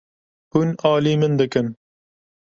Hûn alî min dikin.